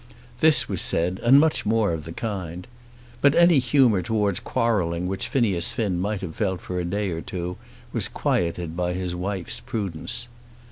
This was said and much more of the kind. But any humour towards quarrelling which Phineas Finn might have felt for a day or two was quieted by his wife's prudence.